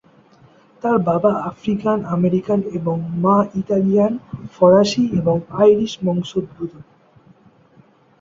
তার বাবা African American এবং মা ইতালিয়ান, ফরাসী এবং আইরিশ বংশোদ্ভূত।